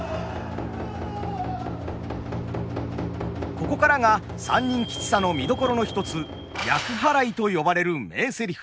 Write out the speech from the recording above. ここからが「三人吉三」の見どころの一つ厄払いと呼ばれる名セリフ。